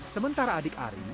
sementara adik ari